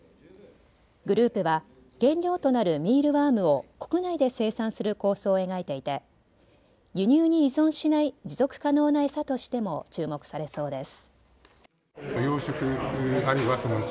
グループは原料となるミールワームを国内で生産する構想を描いていて輸入に依存しない持続可能な餌としても注目されそうです。